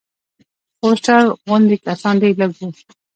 فوسټر غوندې کسان ډېر لږ وو.